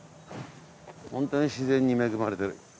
ホントに自然に恵まれてる。